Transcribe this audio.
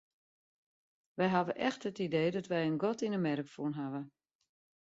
Wy hawwe echt it idee dat wy in gat yn 'e merk fûn hawwe.